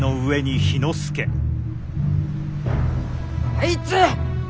あいつ！